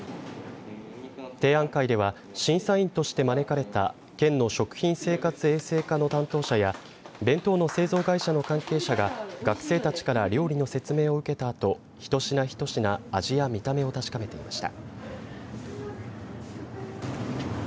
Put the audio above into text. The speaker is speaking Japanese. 提案会では審査員として招かれた県の食品生活衛生課の担当者や弁当の製造会社の関係者が学生たちから料理の説明を受けたあと一品一品、味や見た目を確かめていました。